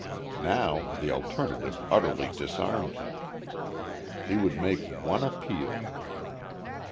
Now, the alternative utterly disarmed him. He would make one appeal.